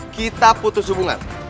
kita putus hubungan